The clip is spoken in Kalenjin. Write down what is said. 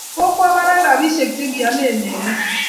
Kokwa bara rapishek che kialen neko